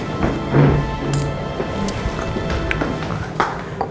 tidak ada apa apa